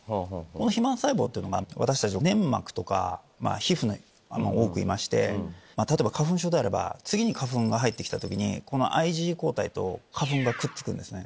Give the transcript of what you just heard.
肥満細胞っていうのは粘膜とか皮膚に多くいまして例えば花粉症であれば次に花粉が入ってきた時にＩｇＥ抗体と花粉がくっつくんです。